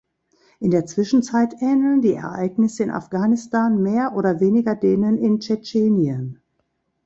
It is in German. In der Zwischenzeit ähneln die Ereignisse in Afghanistan mehr oder weniger denen in Tschetschenien.